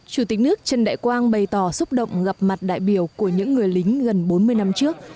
chủ tịch nước trần đại quang bày tỏ xúc động gặp mặt đại biểu của những người lính gần bốn mươi năm trước